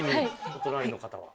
お隣の方は？